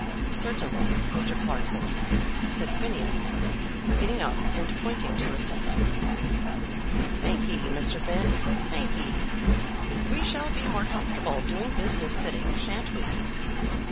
"Certainly, Mr. Clarkson," said Phineas, getting up and pointing to a seat. "Thankye, Mr. Finn, thankye. We shall be more comfortable doing business sitting, shan't we?"